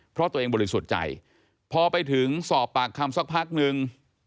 เพราะตัวเองบริสุทธิ์ใจพอไปถึงสอบปากคำสักพักนึง